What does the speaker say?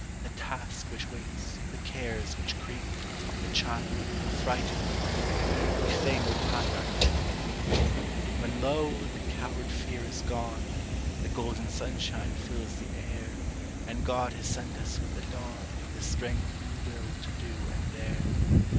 The Task which waits, the Cares which creep; A child, affrighted in the gloom, We fain would hide our head and weep. When, lo! the coward fear is gone The golden sunshine fills the air, And God has sent us with the dawn The strength and will to do and dare.